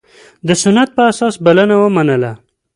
د سنت په اساس بلنه ومنله.